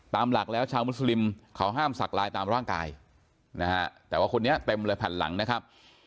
หลักแล้วชาวมุสลิมเขาห้ามสักลายตามร่างกายนะฮะแต่ว่าคนนี้เต็มเลยแผ่นหลังนะครับ